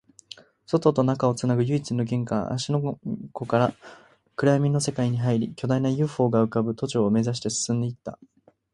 外と中をつなぐ唯一の玄関、芦ノ湖から暗闇の世界に入り、巨大な ＵＦＯ が浮ぶ都庁を目指して進んでいった